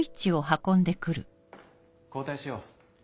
交代しよう。